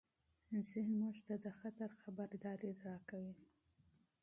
ذهن موږ ته د خطر خبرداری ورکوي.